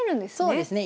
そうですね。